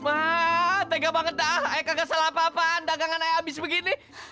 ah tega banget dah saya gak kesal apa apaan dagangan saya habis begini